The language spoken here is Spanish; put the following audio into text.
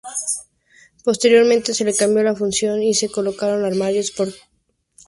Posteriormente se le cambió la función y se colocaron armarios para la colada.